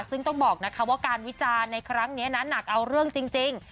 ซึ่งต้องบอกนะคะว่าการวิจารณ์ในครั้งนี้นะหนักเอาเรื่องจริง